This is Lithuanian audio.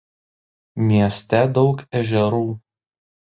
Mieste daug ežerų.